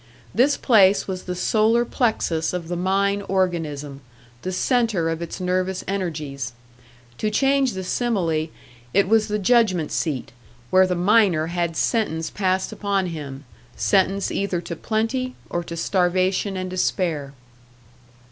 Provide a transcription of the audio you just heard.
This place was the solar plexus of the mine organism, the centre of its nervous energies; to change the simile, it was the judgment seat, where the miner had sentence passed upon him sentence either to plenty, or to starvation and despair.